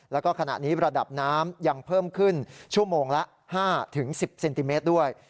แล้วก็ขณะนี้ระดับน้ำยังเพิ่มขึ้นชั่วโมงละ๕๑๐เซนติเมตรด้วย